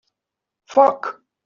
Foc!